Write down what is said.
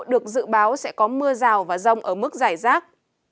được dự báo sẽ có mưa rào và rông ở mức giải rác